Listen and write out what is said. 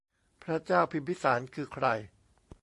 พระเจ้าพิมพิสาร คือใคร